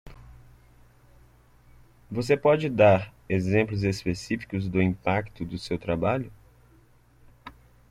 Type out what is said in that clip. Você pode dar exemplos específicos do impacto do seu trabalho?